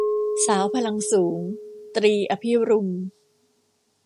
สาวพลังสูง - ตรี อภิรุม